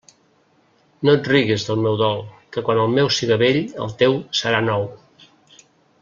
No et rigues del meu dol, que quan el meu siga vell el teu serà nou.